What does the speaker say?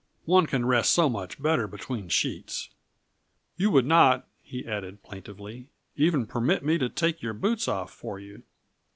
One can rest so much better between sheets. You would not," he added plaintively, "even permit me to take your boots off for you."